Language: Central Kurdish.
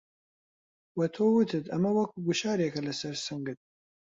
وە تۆ وتت ئەمە وەکوو گوشارێکه لەسەر سنگت